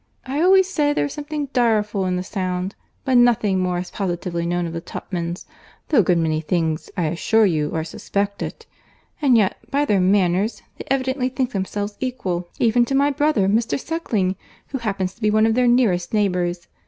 I always say there is something direful in the sound: but nothing more is positively known of the Tupmans, though a good many things I assure you are suspected; and yet by their manners they evidently think themselves equal even to my brother, Mr. Suckling, who happens to be one of their nearest neighbours.